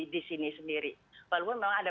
di sini sendiri walaupun memang ada